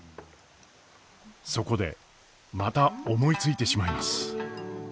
そこでまた思いついてしまいます！